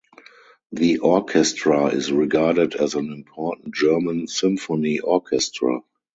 The orchestra is regarded as an important German symphony orchestra.